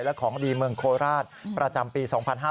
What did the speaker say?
และของดีเมืองโคราชประจำปี๒๕๕๙